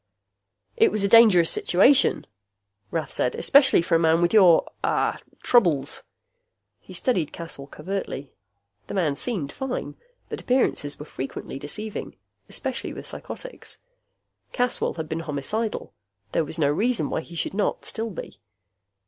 "It was a dangerous situation," Rath said. "Especially for a man with your ah troubles." He studied Caswell covertly. The man seemed fine, but appearances were frequently deceiving, especially with psychotics. Caswell had been homicidal; there was no reason why he should not still be.